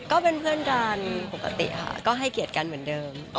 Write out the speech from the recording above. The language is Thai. ก็เป็นเพื่อนกันปกติค่ะก็ให้เกียรติกันเหมือนเดิม